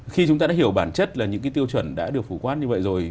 khi chúng ta đã hiểu bản chất là những cái tiêu chuẩn đã được phổ quát như vậy rồi